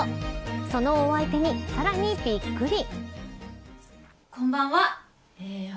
そのお相手にさらにびっくり。